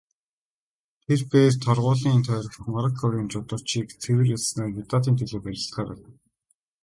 Тэр бээр торгуулийн тойрогт Мороккогийн жүдочийг цэвэр ялснаар медалийн төлөө барилдахаар болов.